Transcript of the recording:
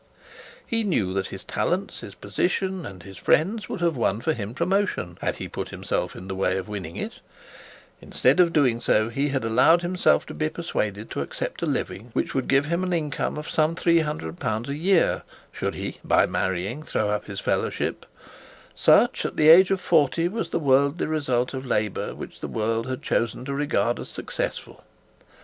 He knew that his talents, his position, and his friends would have won for him promotion, had he put himself in the way of winning it. Instead of doing so, he had allowed himself an income of some L 300 a year, should he, by marrying, throw up his fellowship. Such, at the age of forty, was the worldly result of labour, which the world had chosen to regard as successful.